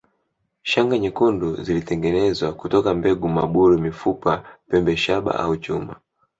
Shanga nyekundu zilitengenezwa kutoka mbegu maburu mifupa pembe shaba au chuma